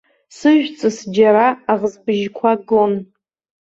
Сыжәҵыс џьара аӷзбыжьқәа гон.